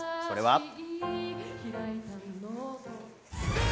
それは。